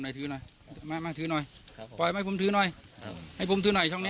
ได้ครับครับนี่ว่าจะทำที่นั่งคุยกันดี